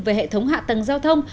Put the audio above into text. về hệ thống hạ tầng giao thông